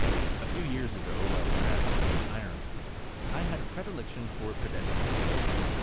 A few years ago, while travelling in Ireland, I had a predilection for pedestrian ism.